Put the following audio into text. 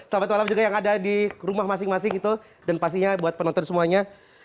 selamat malam juga yang ada di rumah masing masing itu dan pastinya buat penonton semuanya